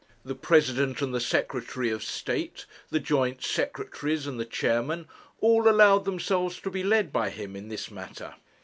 The President and the Secretary of State, the joint Secretaries and the Chairmen, all allowed themselves to be led by him in this matter.